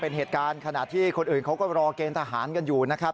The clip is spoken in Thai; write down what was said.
เป็นเหตุการณ์ขณะที่คนอื่นเขาก็รอเกณฑ์ทหารกันอยู่นะครับ